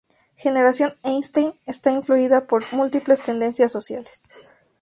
Generación Einstein está influida por múltiples tendencias sociales.